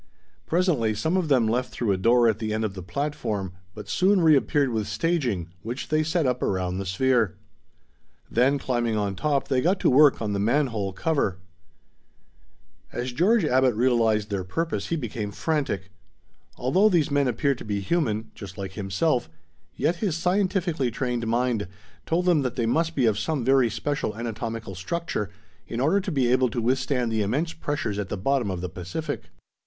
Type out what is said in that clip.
Presently some of them left through a door at the end of the platform, but soon reappeared with staging, which they set up around the sphere. Then, climbing on top, they got to work on the man hole cover. As George Abbot realized their purpose, he became frantic. Although these men appeared to be human, just like himself, yet his scientifically trained mind told him that they must be of some very special anatomical structure, in order to be able to withstand the immense pressures at the bottom of the Pacific.